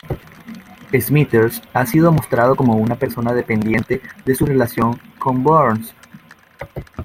Smithers ha sido mostrado como una persona dependiente de su relación con Burns.